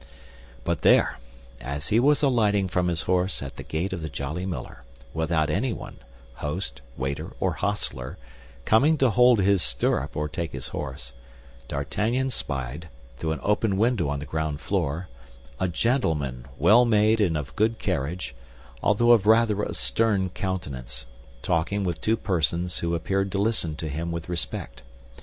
But there, as he was alighting from his horse at the gate of the Jolly Miller, without anyone—host, waiter, or hostler—coming to hold his stirrup or take his horse, D'Artagnan spied, though an open window on the ground floor, a gentleman, well made and of good carriage, although of rather a stern countenance, talking with two persons who appeared to listen to him with respect.